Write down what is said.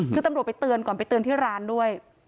คือตำรวจไปเตือนก่อนไปเตือนที่ร้านด้วย